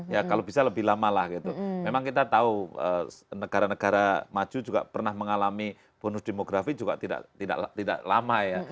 ya kalau bisa lebih lama lah gitu memang kita tahu negara negara maju juga pernah mengalami bonus demografi juga tidak lama ya